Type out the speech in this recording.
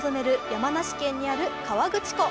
山梨県にある河口湖。